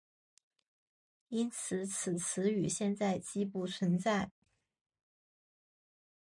因此此词语现在几不存在。